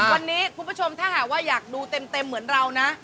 วันนี้คุณผู้ชมถ้าหากว่าอยากดูเต็มเหมือนเรานะ